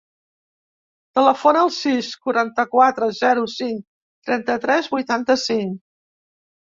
Telefona al sis, quaranta-quatre, zero, cinc, trenta-tres, vuitanta-cinc.